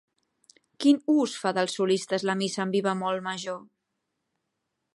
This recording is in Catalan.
Quin ús fa dels solistes la missa en mi bemoll major?